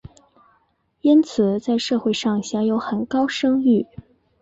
因此在社会上享有很高声誉。